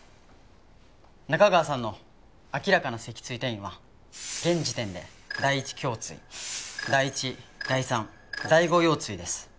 仲川さんの明らかな脊椎転移は現時点で第１胸椎第１第３第５腰椎です。